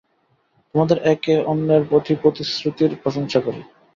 তোমাদের একে অন্যের প্রতি প্রতিশ্রুতির প্রশংসা করি।